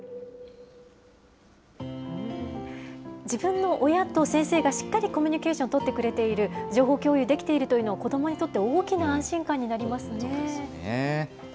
自分の親と先生がしっかりコミュニケーションを取ってくれている、情報共有できているというのは、子どもにとって大きな安心そうですね。